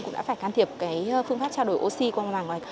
cũng đã phải can thiệp cái phương pháp trao đổi oxy quan hoàng ngoài